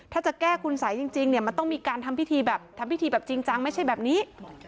ถ้าจะแก้คุณสายจริงมันต้องมีการทำพิธีแบบจริงจังไม่ใช่แบบนี้